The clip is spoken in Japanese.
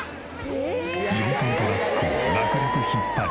４トントラックを楽々引っ張り。